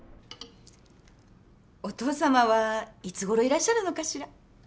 お父さまはいつごろいらっしゃるのかしら？